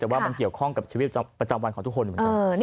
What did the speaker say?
แต่ว่ามันเกี่ยวข้องกับชีวิตประจำวันของทุกคน